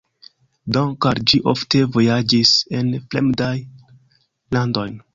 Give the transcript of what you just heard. Dank`al ĝi ofte vojaĝis en fremdajn landojn.